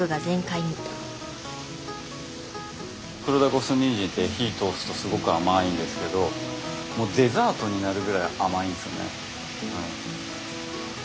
黒田五寸ニンジンって火通すとすごく甘いんですけどもうデザートになるぐらい甘いんですよね。